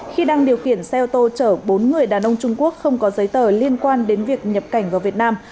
khi đang điều khiển xe ô tô chở bốn người đàn ông trung quốc không có giấy tờ liên quan đến việc nhập cảnh vào việt nam